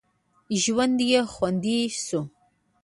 ژوند یې خوندي شو.